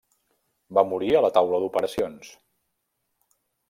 Va morir a la taula d'operacions.